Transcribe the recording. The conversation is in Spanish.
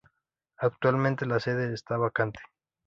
Actualmente la sede está vacante.